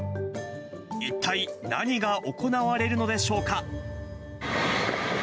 一体何が行われるのでしょうか。